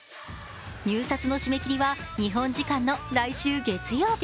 入札の締め切りは、日本時間の来週月曜日。